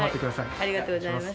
ありがとうございます。